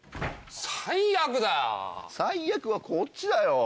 ・最悪だよ・・最悪はこっちだよ・